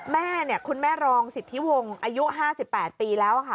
แม่เนี่ยคุณแม่รองสิทธิวงศ์อายุ๕๘ปีแล้วค่ะ